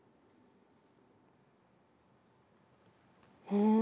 うん。